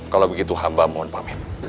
kalau begitu hamba mohon pamit